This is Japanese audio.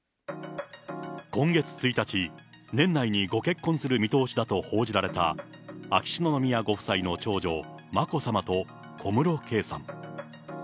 今月１日、年内にご結婚する見通しだと報じられた秋篠宮ご夫妻の長女、眞子さまと小室圭さん。